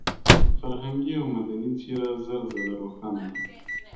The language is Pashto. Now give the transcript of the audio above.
فرهنګي او مدني څېره زر ځله روښانه ده.